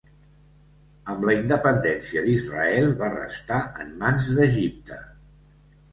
Amb la independència d'Israel va restar en mans d'Egipte.